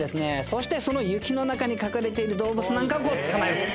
そしてその雪の中に隠れている動物なんかを捕まえると。